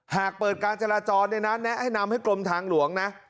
หากเปิดการจราจรเนี่ยนะแนะนำให้กรมทางหลวงนะ